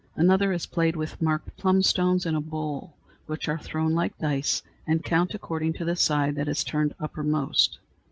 Another is played with marked plum stones in a bowl, which are thrown like dice and count according to the side that is turned uppermost.